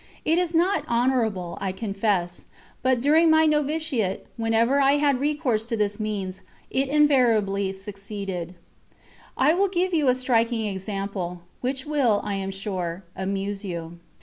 It is not honourable, I confess, but during my noviciate, whenever I had recourse to this means, it invariably succeeded. I will give you a striking example, which will, I am sure, amuse you.